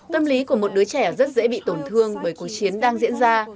tâm lý của một đứa trẻ rất dễ bị tổn thương bởi cuộc chiến đang diễn ra